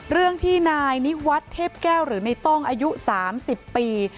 เรื่องที่นายนิวัฒน์เทพแก้วหรือในต้องอายุ๓๐ปี